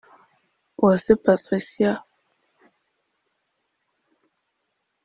Uwase Patricia